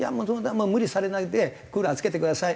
「無理されないでクーラーつけてください」。